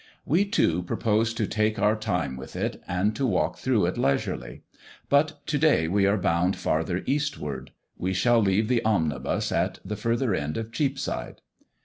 We, too, propose to take our time with it and to walk through it leisurely. But to day we are bound farther eastward. We shall leave the omnibus at the further end of Cheapside.